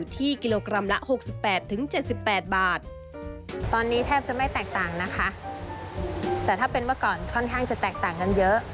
แต่ถ้าเป็นเมื่อก่อนค่อนข้างจะแตกต่างกันเยอะ